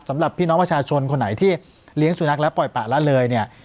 สำหรับพี่น้องประชาชนคนไหนที่เลี้ยงสุนัขแล้วปล่อยปะละเลยเนี่ย